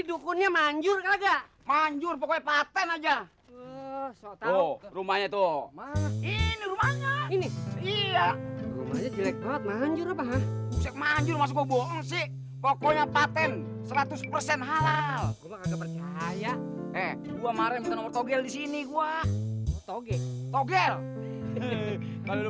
tunggu tunggu tunggu